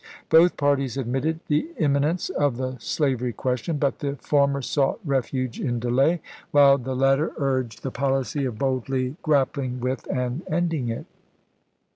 Both parties admitted MAEYLAND FREE 459 the imminence of the slavery question; but the chap.xix. former sought refuge in delay, while the latter urged the policy of boldly grappling with and ending it.